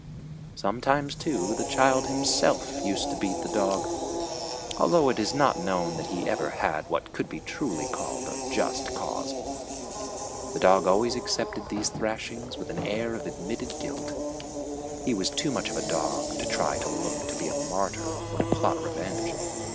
Sometimes, too, the child himself used to beat the dog, although it is not known that he ever had what truly could be called a just cause. The dog always accepted these thrashings with an air of admitted guilt. He was too much of a dog to try to look to be a martyr or to plot revenge.